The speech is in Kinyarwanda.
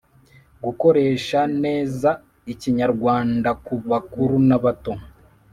gukoresha nezaikinyarwandakubakuru n’abato